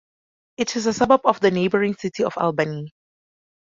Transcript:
It is a suburb of the neighboring city of Albany.